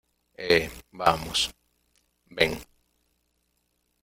eh, vamos... ven ...